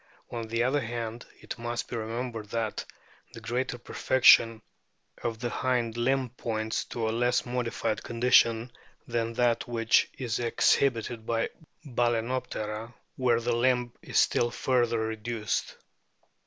On the other hand, it must be remembered that the greater perfection of the hind "> 1 I o O RIGHT WHALES 123 limb points to a less modified condition than that which is exhibited by Bal&noptera, where the limb is still further reduced.